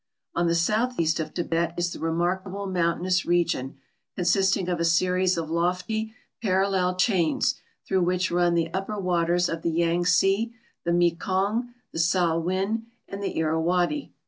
On the southeast of Tibet is the remarkable mountainous region, con sisting of a series of lofty parallel chains, through which run the upper waters of the Yangtse, the Mekong, the Salwin, and the Irrawaddy.